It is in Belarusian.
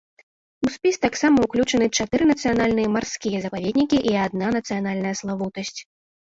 У спіс таксама ўключаны чатыры нацыянальныя марскія запаведнікі і адна нацыянальная славутасць.